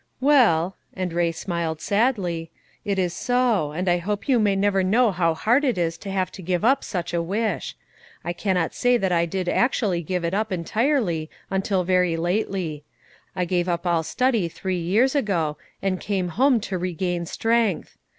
"Well," and Ray smiled sadly, "it is so; and I hope you may never know how hard it is to have to give up such a wish. I cannot say that I did actually give it up entirely until very lately. I gave up all study three years ago, and came home to regain strength!